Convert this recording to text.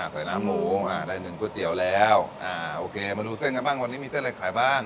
ใส่น้ำหมูอ่าได้หนึ่งก๋วยเตี๋ยวแล้วอ่าโอเคมาดูเส้นกันบ้างวันนี้มีเส้นอะไรขายบ้าง